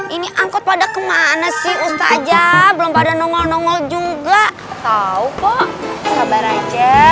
ini angkot pada kemana sih usta aja belum pada nongol nongol juga tau kok sabar aja